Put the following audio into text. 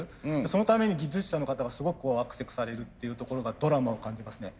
そのために技術者の方がすごくこうあくせくされるっていうところがドラマを感じますね。